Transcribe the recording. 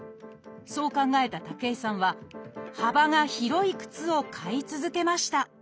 そう考えた武井さんは幅が広い靴を買い続けました。